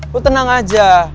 lo tenang aja